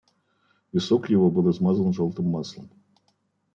Висок его был измазан желтым маслом.